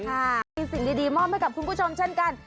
ก็เป็นสิ่งดีมอบให้กับคุณผู้ชมเช่นกัน